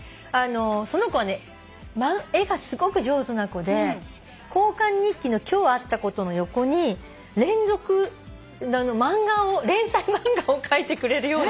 その子はね絵がすごく上手な子で交換日記の今日あったことの横に連載漫画を描いてくれるような。